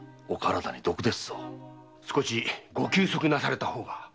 少しご休息なされた方が。